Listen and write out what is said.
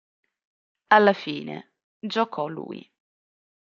Alla fine giocò lui.